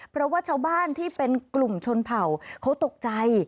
เพราะว่าชาวบ้านที่เป็นกลุ่มชนเผ่าเขาตกใจ